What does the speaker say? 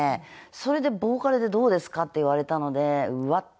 それで「ボーカルでどうですか？」って言われたのでうわっ！